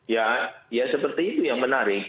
ya ya seperti itu yang menarik